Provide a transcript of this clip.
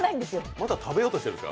まだ食べようとしてるんですか？